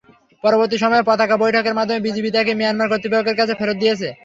পরবর্তী সময়ে পতাকা বৈঠকের মাধ্যমে বিজিবি তাঁকে মিয়ানমার কর্তৃপক্ষের কাছে ফেরত দিয়েছে।